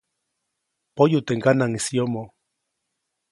Poyu teʼ ŋganaŋʼis yomoʼ.